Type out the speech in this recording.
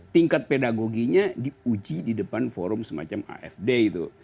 tingkat pedagoginya diuji di depan forum semacam afd itu